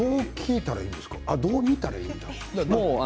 どう見たらいいんだろう。